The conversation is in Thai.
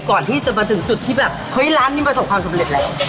ก่อนที่จะมาถึงจุดที่แบบเฮ้ยร้านนี้ประสบความสำเร็จแล้ว